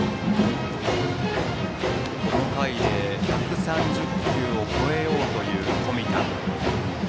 この回で１３０球を超えようという冨田。